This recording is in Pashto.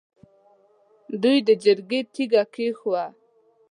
دوی د جرګې تیګه کېښووه.